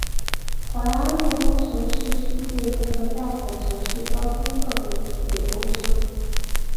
槐安路工程是世界银行贷款城市交通项目的重点工程。